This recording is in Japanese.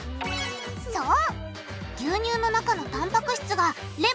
そう！